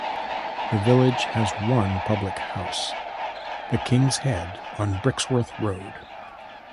The village has one public house, the "King's Head" on Brixworth Road.